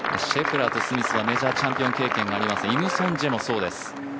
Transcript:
シェフラーとスミスはメジャーチャンピオン経験がありますが、イム・ソンジェもそうです。